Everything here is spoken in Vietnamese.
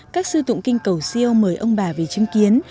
các sư tụng kinh cầu siêu mời ông bà về chứng kiến